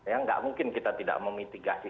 ya nggak mungkin kita tidak memitigasi